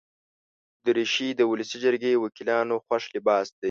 دریشي د ولسي جرګې وکیلانو خوښ لباس دی.